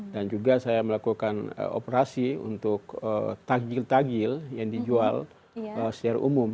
dan juga saya melakukan operasi untuk tagil tagil yang dijual secara umum